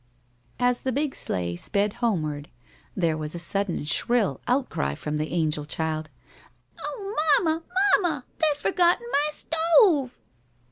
As the big sleigh sped homeward there was a sudden shrill outcry from the angel child: "Oh, mamma! mamma! They've forgotten my stove!"